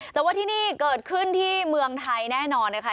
แต่ว่าที่นี่เกิดขึ้นที่เมืองไทยแน่นอนนะคะ